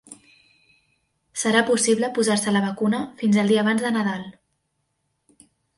Serà possible posar-se la vacuna fins al dia abans de Nadal.